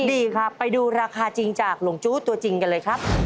ดีครับไปดูราคาจริงจากหลงจู้ตัวจริงกันเลยครับ